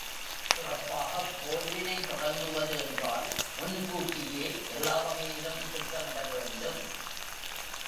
சிறப்பாகப் போர்வினை தொடங்குவது என்றால் முன்கூட்டியே எல்லாவகையிலும் திட்டமிட வேண்டும்.